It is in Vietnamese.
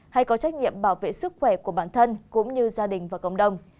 hay có trách nhiệm bảo vệ sức khỏe của bản thân cũng như gia đình và cộng đồng